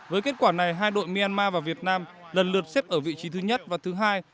với kết quả này hai đội myanmar và việt nam lần lượt xếp ở vị trí thứ nhất và thứ hai